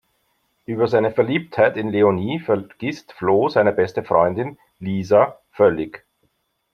Über seine Verliebtheit in Leonie vergisst Flo seine beste Freundin "Lisa" völlig.